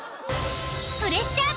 プレッシャー